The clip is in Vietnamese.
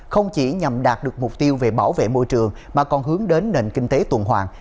không chỉ nhằm đạt được mục tiêu về bảo vệ môi trường mà còn hướng đến nền kinh tế tuần hoàng